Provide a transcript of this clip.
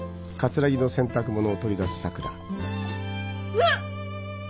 うわっ！